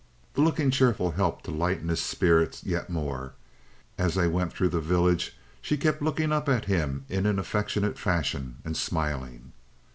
The looking cheerful helped to lighten his spirit yet more. As they went through the village she kept looking up at him in an affectionate fashion and smiling.